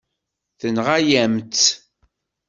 Tenɣa-yam-tt.